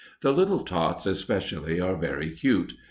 The little tots, especially, are very "cute."